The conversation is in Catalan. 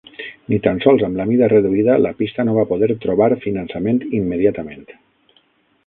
Ni tan sols amb la mida reduïda, la pista no va poder trobar finançament immediatament.